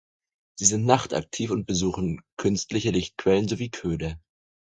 Sie sind nachtaktiv und besuchen künstliche Lichtquellen sowie Köder.